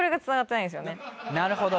なるほど。